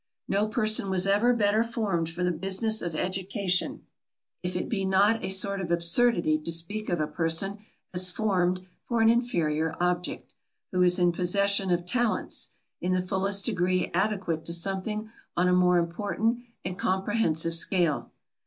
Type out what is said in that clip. No person was ever better formed for the business of education; if it be not a sort of absurdity to speak of a person as formed for an inferior object, who is in possession of talents, in the fullest degree adequate to something on a more important and comprehensive scale.